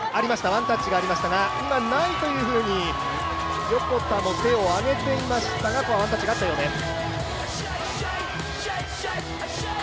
ワンタッチがありましたが今、ないというふうに横田も手を上げていましたがワンタッチがあったようです。